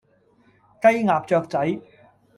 雞鴨雀仔